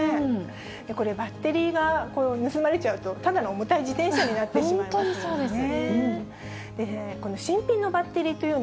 これ、バッテリーが盗まれちゃうと、ただの重たい自転車になってしまいますよね。